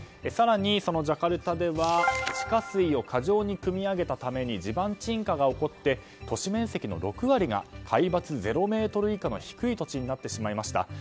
更に、ジャカルタでは地下水を過剰にくみ上げたために地盤沈下が起こって都市面積の６割が海抜０ｍ以下の低い土地になってしまいました。